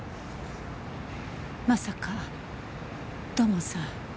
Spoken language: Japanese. まさか土門さん。